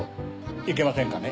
いけませんかね？